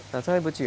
nah terus ibu cium